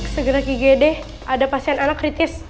segera igd ada pasien anak kritis